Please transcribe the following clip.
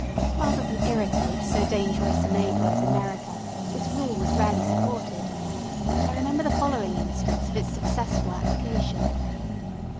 Rather than irritate so dangerous a neighbour as America, this rule was rarely supported; but I remember the following instance of its successful application.